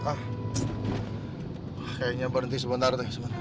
kayaknya berhenti sebentar